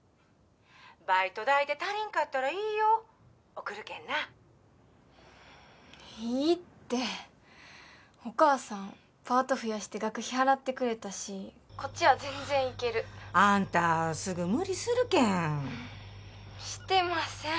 ☎バイト代で足りんかったら言いよ送るけんないいってお母さんパート増やして学費払ってくれたし☎こっちは全然いけるあんたすぐ無理するけんしてません